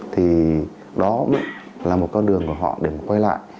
thì đó mới là một con đường của họ để quay về